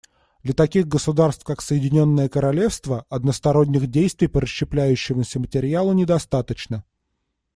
Для таких государств, как Соединенное Королевство, односторонних действий по расщепляющемуся материалу недостаточно.